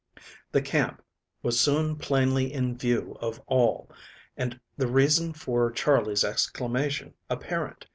THE camp was soon plainly in view of all, and the reason for Charley's exclamation apparent.